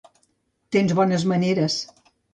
Tens bones maneres.